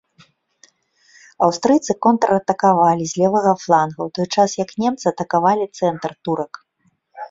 Аўстрыйцы контратакавалі з левага фланга, у той час як немцы атакавалі цэнтр турак.